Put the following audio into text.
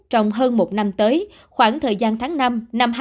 trong hơn một năm tới khoảng thời gian tháng năm năm hai nghìn hai mươi